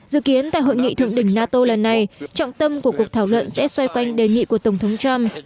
dự kiến tại hội nghị thượng đỉnh nato lần này trọng tâm của cuộc thảo luận sẽ xoay quanh đề nghị của tổng thống trump